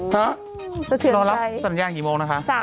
ฮะสะเทียนใจรอรับสัญญาณกี่โมงนะคะ